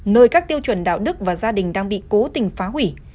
nơi các tiêu chuẩn đạo đức và gia đình đang bị cố tình phá hủy